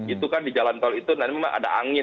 itu kan di jalan tol itu nanti memang ada angin